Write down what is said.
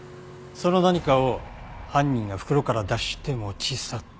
その何かを犯人が袋から出して持ち去った。